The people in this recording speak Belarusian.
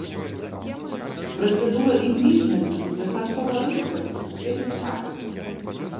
Працэдура імпічменту дастаткова рэдкая ў сусветнай практыцы.